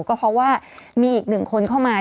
ก็เพราะว่ามีอีกหนึ่งคนเข้ามา